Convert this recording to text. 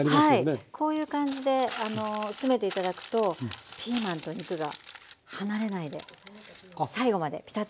はいこういう感じで詰めて頂くとピーマンと肉が離れないで最後までピタッとくっついて。